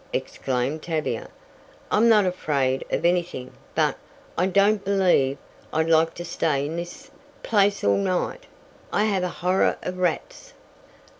exclaimed Tavia. "I'm not afraid of anything but I don't believe I'd like to stay in this place all night. I have a horror of rats."